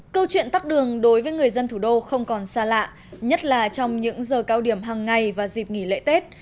câu chuyện tắt đường đối với người dân thủ đô không còn xa lạ nhất là trong những giờ cao điểm hàng ngày và dịp nghỉ lễ tết